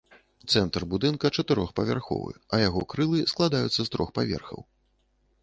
Цэнтр будынка чатырохпавярховы, а яго крылы складаюцца з трох паверхаў.